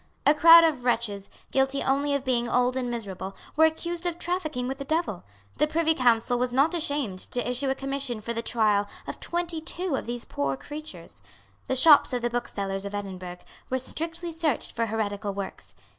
A crowd of wretches, guilty only of being old and miserable, were accused of trafficking with the devil. The Privy Council was not ashamed to issue a Commission for the trial of twenty two of these poor creatures. The shops of the booksellers of Edinburgh were strictly searched for heretical works.